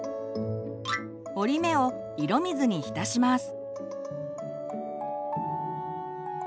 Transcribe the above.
折り目を色水に浸します。